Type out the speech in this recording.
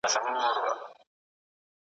سمدستي یې سوله خلاصه د زړه غوټه .